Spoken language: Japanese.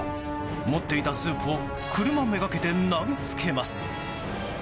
持っていたスープを車めがけて投げつけます。